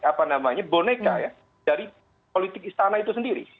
apa namanya boneka ya dari politik istana itu sendiri